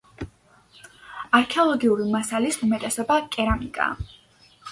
არქეოლოგიური მასალის უმეტესობა კერამიკაა.